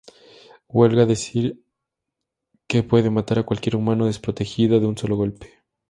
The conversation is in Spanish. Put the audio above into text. Huelga decir que puede matar a cualquier humano desprotegido de un sólo golpe.